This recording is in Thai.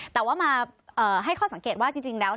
แต่ว่ามาให้ข้อสังเกตว่าจริงแล้ว